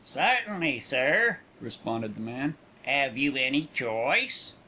"Certainly, sir," responded the man; "'ave you any choice?'"